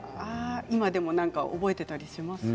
今でも覚えていたりしますか。